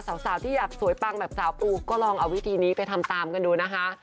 สาวที่อยากสวยปังแบบสาวปูก็ลองเอาวิธีนี้ไปทำตามกันดูนะคะ